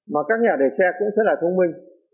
mà các nhà để xe cũng sẽ là thông minh